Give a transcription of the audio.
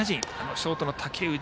ショートの竹内。